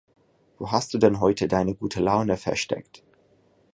Wo hast du denn heute deine gute Laune versteckt?